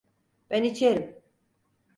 Ben içerim.